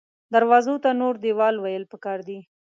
دروازو ته نور دیوال ویل پکار دې